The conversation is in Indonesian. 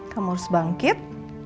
kamu harus bangkit